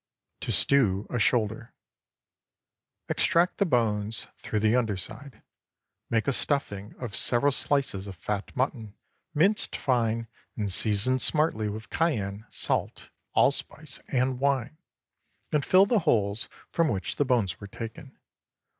TO STEW A SHOULDER, Extract the bones through the under side. Make a stuffing of several slices of fat mutton, minced fine and seasoned smartly with cayenne, salt, allspice, and wine, and fill the holes from which the bones were taken.